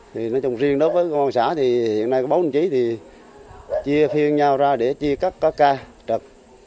thì nói chung riêng đó với công an xã thì hiện nay có báo đồng chí thì chia phiên nhau ra để chia các ca trực